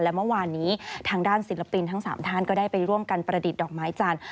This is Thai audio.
และเมื่อวานนี้ทางด้านศิลปินทั้ง๓ท่านก็ได้ไปร่วมกันประดิษฐ์ดอกไม้จันทร์